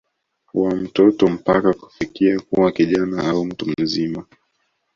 wa mtoto mpaka kufikia kuwa kijana au Mtu mzima